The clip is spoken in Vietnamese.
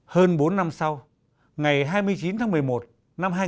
hơn bốn năm sau ngày hai mươi chín tháng một mươi một năm hai nghìn một mươi